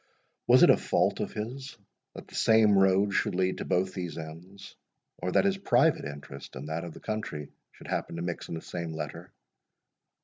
Was it a fault of his, that the same road should lead to both these ends, or that his private interest, and that of the country, should happen to mix in the same letter?